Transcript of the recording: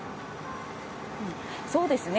そうですね。